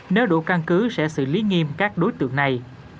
nếu đủ căn cứ sẽ xử lý nghiêm các đối tượng này